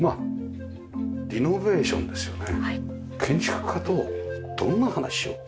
建築家とどんな話を？